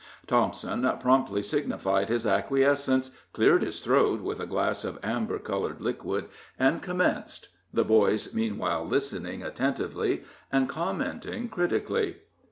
Thompson promptly signified his acquiescence, cleared his throat with a glass of amber colored liquid, and commenced, the boys meanwhile listening attentively, and commenting critically.